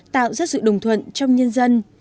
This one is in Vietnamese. tạo ra sự đồng thuận trong nhân dân